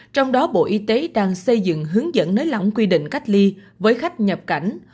trong đó bộ y tế đang xây dựng hướng dẫn nới lỏng quy định cách ly với khách nhập cảnh